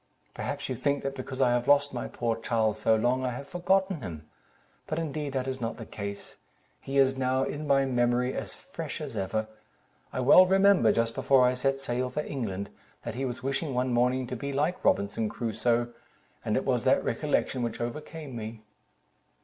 "Perhaps you think that because I have lost my poor Charles so long, I have forgotten him; but indeed that is not the case: he is now in my memory as fresh as ever. I well remember, just before I set sail for England, that he was wishing one morning to be like Robinson Crusoe, and it was that recollection which overcame me."